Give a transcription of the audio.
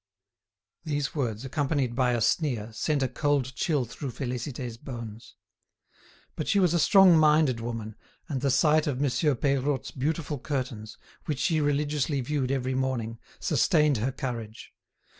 These words, accompanied by a sneer, sent a cold chill through Félicité's bones. But she was a strong minded woman, and the sight of Monsieur Peirotte's beautiful curtains, which she religiously viewed every morning, sustained her courage.